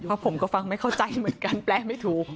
เพราะผมก็ฟังไม่เข้าใจเหมือนกันแปลไม่ถูก